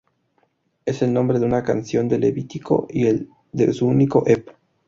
Es el nombre de una canción de Levítico y el de su único ep.